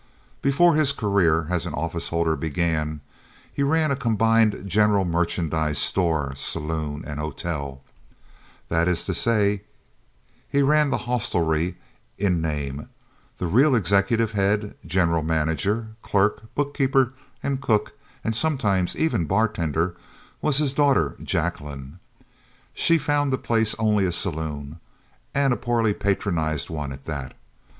Before his career as an office holder began, he ran a combined general merchandise store, saloon, and hotel. That is to say, he ran the hostelry in name. The real executive head, general manager, clerk, bookkeeper, and cook, and sometimes even bartender was his daughter, Jacqueline. She found the place only a saloon, and a poorly patronized one at that.